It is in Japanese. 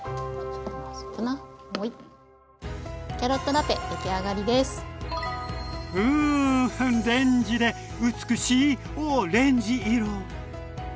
レンジで美しいオレンジ色！